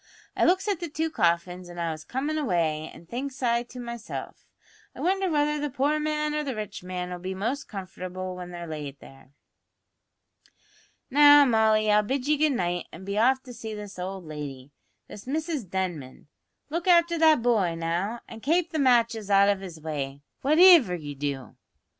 I looks at the two coffins as I was comin' away, an' thinks I to myself, I wonder whether the poor man or the rich man'll be most comfortable when they're laid there?" "Now, Molly, I'll bid ye good night an' be off to see this owld lady, this Mrs Denman. Look afther that boy, now, an kape the matches out of his way, whativer ye do."